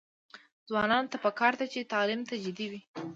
ځوانانو ته پکار ده چې، تعلیم ته جدي وي.